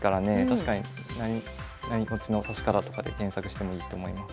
確かに何落ちの指し方とかで検索してもいいと思います。